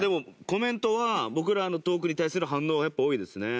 コメントは僕らのトークに対する反応がやっぱ多いですね。